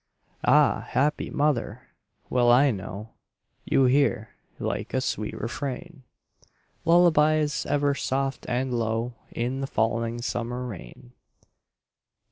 Ah, happy mother! Well I know You hear, like a sweet refrain, Lullabies ever soft and low In the falling summer rain.